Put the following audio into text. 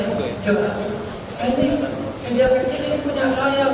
saya ini sejak kecil ini punya saya